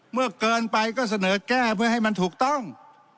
เมื่อเกินไปก็เสนอแก้เพื่อให้มันถูกต้อง